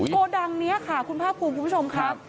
โกดังนี้ค่ะคุณภาคภูมิคุณผู้ชมครับ